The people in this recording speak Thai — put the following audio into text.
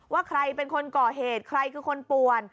ว่าใครเป็นคนก่อเหตุใครคือคนป่วน